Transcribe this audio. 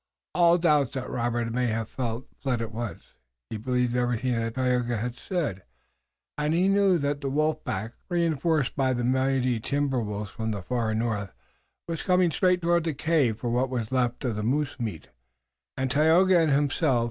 All doubts that Robert may have felt fled at once. He believed everything that Tayoga had said, and he knew that the wolf pack, reënforced by mighty timber wolves from the far north, was coming straight toward the cave for what was left of the moose meat and Tayoga and himself.